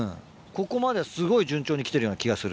ここまではすごい順調にきてるような気がする。